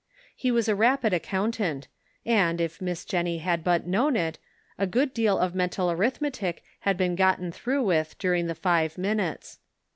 He was a rapid accountant, and, if Miss Jennie had but known it, a good deal of mental arithmetic had been gotten through with during the five minutes.